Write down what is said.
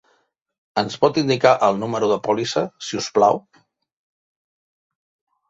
Ens pot indicar el número de pòlissa, si us plau?